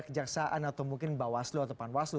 kejaksaan atau mungkin mbak waslo atau pan waslo